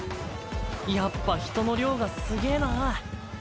やっぱ人の量がすげぇな。